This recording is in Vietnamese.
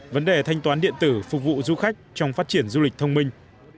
vấn đề thanh toán điện tử phục vụ du khách trong phát triển du lịch thông minh